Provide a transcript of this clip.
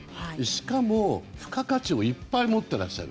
しかも、付加価値をいっぱい持っていらっしゃる。